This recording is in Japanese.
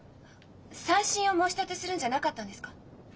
再審を申し立てするんじゃなかったんですか？